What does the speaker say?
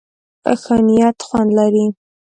ښه نيت خوند لري.